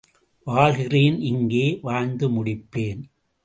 வாழ்கிறேன் இங்கே வாழ்ந்து முடிப்பேன்.